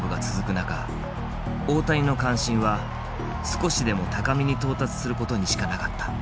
中大谷の関心は少しでも高みに到達することにしかなかった。